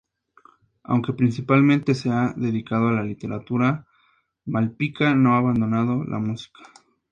Aunque principalmente se ha dedicado a la literatura, Malpica no ha abandonado la música.